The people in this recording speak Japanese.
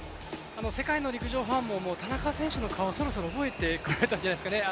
世界の陸上ファンも田中選手の顔をそろそろ覚えてくれたんじゃないですかね。